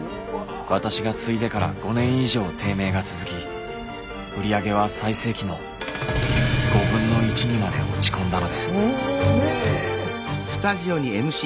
私が継いでから５年以上低迷が続き売り上げは最盛期のにまで落ち込んだのです。